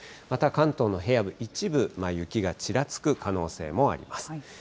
また関東の平野部、一部、雪がちらつく可能性もあります。